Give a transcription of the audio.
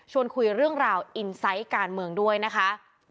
คุยเรื่องราวอินไซต์การเมืองด้วยนะคะ